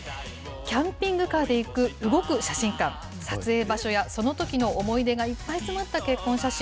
キャンピングカーで行く動く写真館、撮影場所や、そのときの思い出がいっぱい詰まった結婚写真。